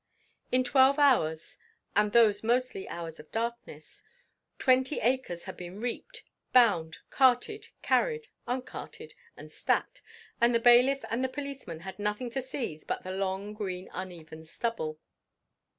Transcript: In twelve hours, and those mostly hours of darkness, twenty acres had been reaped, bound, carted, carried, uncarted, and stacked, and the bailiff and the policemen had nothing to seize but the long, green, uneven stubble.